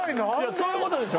そういうことでしょ？